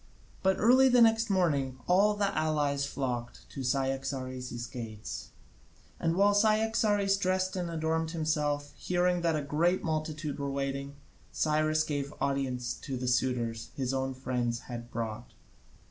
But early the next morning all the allies flocked to Cyaxares' gates, and while Cyaxares dressed and adorned himself, hearing that a great multitude were waiting, Cyrus gave audience to the suitors his own friends had brought.